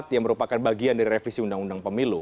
yang merupakan bagian dari revisi undang undang pemilu